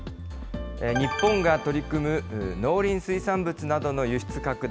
日本が取り組む農林水産物などの輸出拡大。